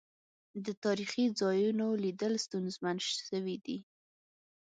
د تاريخي ځا يونوليدل ستونزمن سويدی.